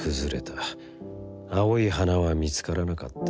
青い花は見つからなかった。